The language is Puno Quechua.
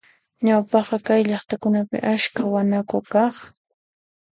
Ñawpaqqa kay llaqtakunapi askha wanaku kaq.